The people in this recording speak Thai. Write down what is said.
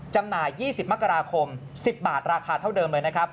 จำหน่าย๒๐มกราคม๑๐บาทราคาเท่าเดิมเลยนะครับ